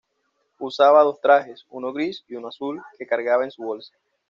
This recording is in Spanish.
Usaba dos trajes, uno gris y uno azul, que cargaba en su bolsa.